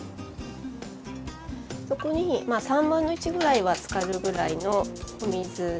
そこに３分の１ぐらいはつかるぐらいのお水入れます。